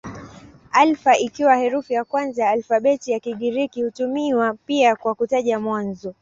Alfa ikiwa herufi ya kwanza ya alfabeti ya Kigiriki hutumiwa pia kwa kutaja mwanzo.